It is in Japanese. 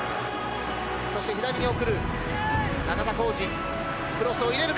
そして左に送る。